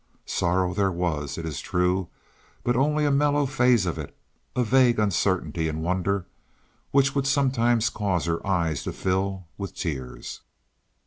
Sorrow there was, it is true, but only a mellow phase of it, a vague uncertainty and wonder, which would sometimes cause her eyes to fill with tears.